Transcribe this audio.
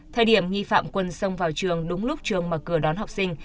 thời điểm nhi phạm quân xông vào trường đúng lúc trường mở cửa đón học sinh